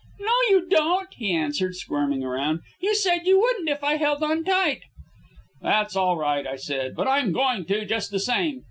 "No, you don't," he answered, squirming around. "You said you wouldn't if I held on tight." "That's all right," I said, "but I'm going to, just the same.